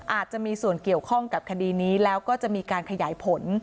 อาจจะมีส่วนเกี่ยวข้องกับคดีนี้แล้วก็จะมีการขยายผล